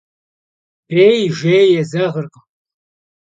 Bêy jjêy yêzeğırkhım.